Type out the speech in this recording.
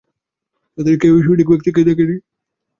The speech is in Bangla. তাদের কেউই সঠিক ব্যক্তিকে দেখেনি।